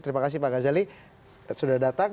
terima kasih pak ghazali sudah datang